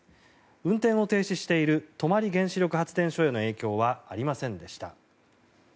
運転を停止している泊原子力発電所への影響はありませんでした。